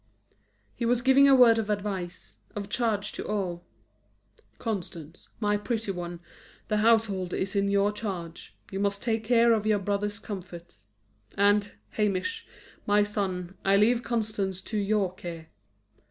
He was giving a word of advice, of charge to all. "Constance, my pretty one, the household is in your charge; you must take care of your brothers' comforts. And, Hamish, my son, I leave Constance to your care.